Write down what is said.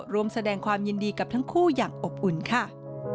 รวมแสดงความยินดีกับทั้งคู่อย่างอบอุ่นค่ะ